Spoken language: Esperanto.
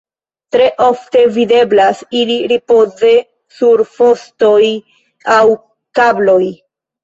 Tre ofte videblas ili ripoze sur fostoj aŭ kabloj.